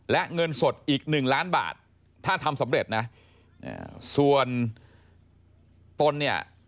และเงินสดอีกหนึ่งล้านบาทถ้าทำสำเร็จนะส่วนตนเนี่ย